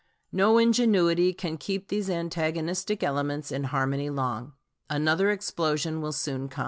No ingenuity can keep these antagonistic elements in harmony long. Another explosion will soon come."